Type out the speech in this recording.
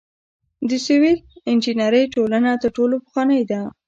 د سیول انجنیری ټولنه تر ټولو پخوانۍ ده.